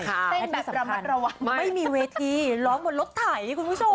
เต้นแบบระมัดระวังไม่มีเวทีร้องบนรถไถคุณผู้ชม